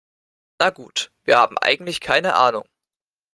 Na gut, wir haben eigentlich keine Ahnung.